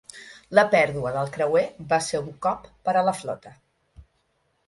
La pèrdua del creuer va ser un cop per a la flota.